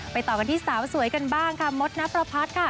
ต่อกันที่สาวสวยกันบ้างค่ะมดนับประพัฒน์ค่ะ